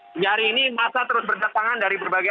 sejari ini masa terus berdatangan dari berbagai